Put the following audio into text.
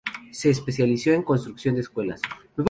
Se especializó en construcción de escuelas.